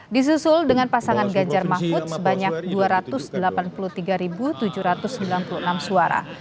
disusul dengan pasangan ganjar mahfud sebanyak dua ratus delapan puluh tiga tujuh ratus sembilan puluh enam suara